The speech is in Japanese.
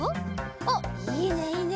おっいいねいいね！